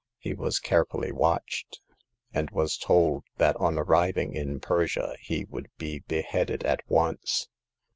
He was carefully watched, and was told that on arriving in Persia he would be be headed at once.